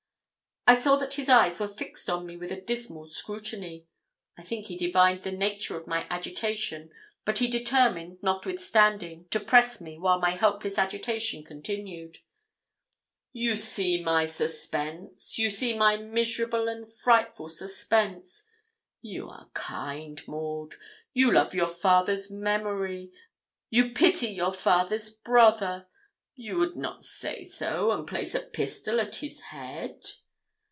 I saw that his eyes were fixed on me with a dismal scrutiny. I think he divined the nature of my agitation; but he determined, notwithstanding, to press me while my helpless agitation continued. 'You see my suspense you see my miserable and frightful suspense. You are kind, Maud; you love your father's memory; your pity your father's brother; you would not say no, and place a pistol at his head?'